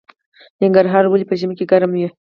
ننګرهار ولې په ژمي کې ګرم وي؟